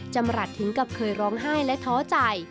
จำรัฐถึงกับเคยร้องไห้และท้อใจ